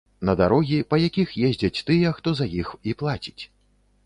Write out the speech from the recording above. На дарогі, па якіх ездзяць тыя, хто за іх і плаціць.